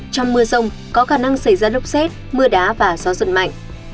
trong mưa rông có khả năng xảy ra lốc xét mưa đá và gió giật mạnh